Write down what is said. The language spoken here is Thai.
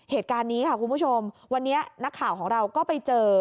เหตุการณ์นี้ค่ะคุณผู้ชมวันนี้นักข่าวของเราก็ไปเจอ